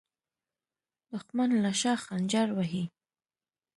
دښمن له شا خنجر وهي